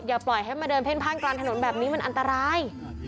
ปล่อยให้มาเดินเพ่นพ่านกลางถนนแบบนี้มันอันตราย